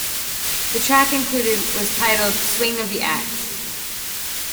The track included was titled Swing of the Axe.